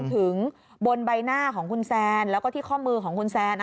ถึงบนใบหน้าของคุณแซนแล้วก็ที่ข้อมือของคุณแซน